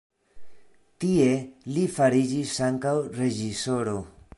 Tie li fariĝis ankaŭ reĝisoro.